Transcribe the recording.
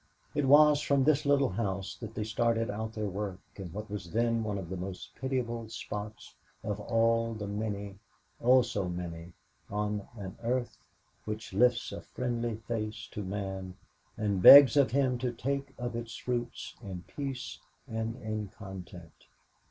It was from this little house that they started out for their work in what was then one of the most pitiable spots of all the many oh, so many on an earth which lifts a friendly face to man and begs of him to take of its fruits in peace and in content.